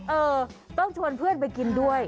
เออต้องชวนเพื่อนไปกินด้วย